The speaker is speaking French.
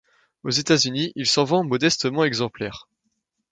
Aux États-Unis, il s'en vend modestement exemplaires.